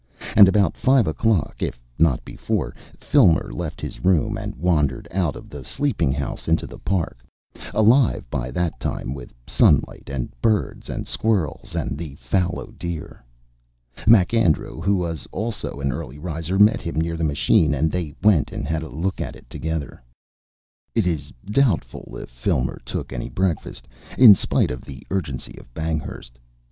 And about five o'clock, if not before, Filmer left his room and wandered out of the sleeping house into the park, alive by that time with sunlight and birds and squirrels and the fallow deer. MacAndrew, who was also an early riser, met him near the machine, and they went and had a look at it together. It is doubtful if Filmer took any breakfast, in spite of the urgency of Banghurst.